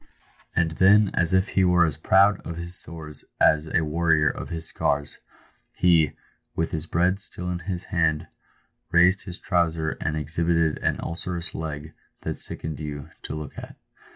And then, as if he were as proud of his sores as a warrior of his scars, he, with his bread still in his hand, raised his trouser and exhibited an ulcerous leg that sickened you to look at.